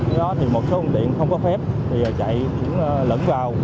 do đó thì một số phương tiện không có phép thì chạy cũng lẫn vào